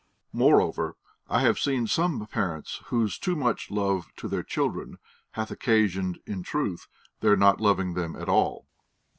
Moreover, I have seen some parents whose too much love to their children hath occasioned, in truth, their not loving them at all.